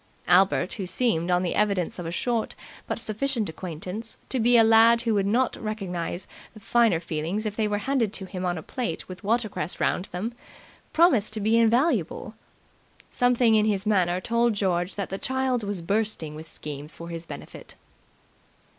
Albert, who seemed, on the evidence of a short but sufficient acquaintance, to be a lad who would not recognize the finer feelings if they were handed to him on a plate with watercress round them, promised to be invaluable. Something in his manner told George that the child was bursting with schemes for his benefit.